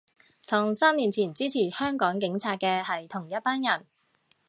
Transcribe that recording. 同三年前支持香港警察嘅係同一班人